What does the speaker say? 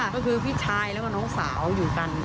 ก็คือพี่ชายแล้วก็น้องสาวอยู่กัน